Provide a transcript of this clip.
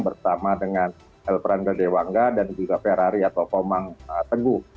bersama dengan elfrande dewangga dan juga ferrari atau komang teguh